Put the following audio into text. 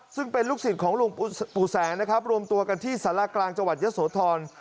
ซึ่งเป็นลูกศิษย์ของหลวงปู่แสงนะครับรวมตัวกันที่สารากลางจังหวัดเยอะโสธร